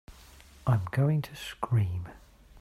I'm going to scream!